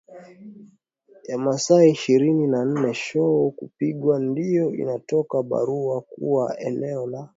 ya masaa ishirini na nne shoo kupigwa ndio inatoka barua kuwa eneo la